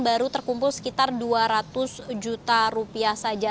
baru terkumpul sekitar dua ratus juta rupiah saja